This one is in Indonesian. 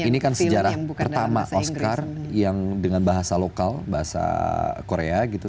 ini kan sejarah pertama oscar yang dengan bahasa lokal bahasa korea gitu